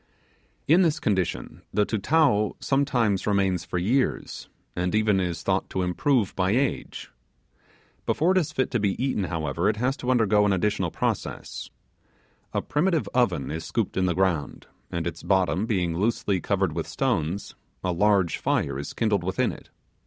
In this condition the Tutao sometimes remains for years, and even is thought to improve by age. Before it is fit to be eaten, however, it has to undergo an additional process. A primitive oven is scooped in the ground, and its bottom being loosely covered with stones, a large fire is kindled within it.